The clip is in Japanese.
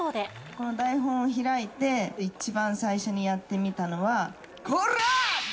この台本を開いて、一番最初にやってみたのは、こら！って。